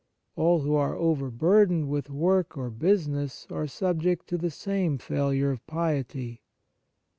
All who are over burdened with work or business are subject to the same failure of piety.